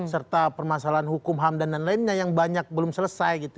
serta permasalahan hukum ham dan lain lainnya yang banyak belum selesai gitu